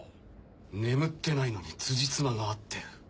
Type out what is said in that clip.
眠ってないのにつじつまが合ってる。